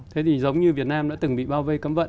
thế thì giống như việt nam đã từng bị bao vây cấm vận